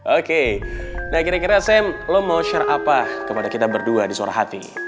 oke nah kira kira saya lo mau share apa kepada kita berdua di suara hati